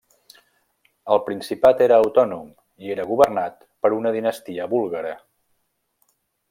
El principat era autònom i era governat per una dinastia búlgara.